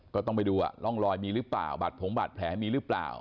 ก็ต้องไปดูว่าร่องรอยมีหรือเปล่าบาดผงบาดแผลมีหรือเปล่า